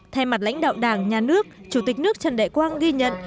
thay mặt lãnh đạo đảng nhà nước chủ tịch nước trần đại quang ghi nhận